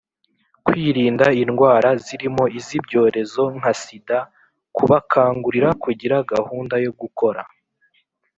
kwirinda indwara zirimo iz’ibyorezo nka sida, kubakangurira kugira gahunda yo gukora,